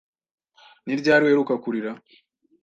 Ni ryari uheruka kurira?